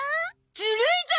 ずるいゾ！